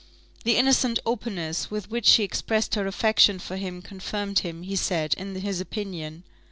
The innocent openness with which she expressed her affection for him confirmed him, he said, in his opinion.